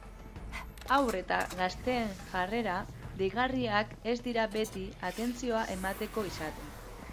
Haur eta gazteen jarrera deigarriak ez dira beti atentzioa emateko izaten.